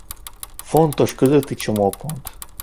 Fontos közúti csomópont.